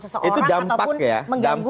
seseorang itu dampak ya ataupun mengganggu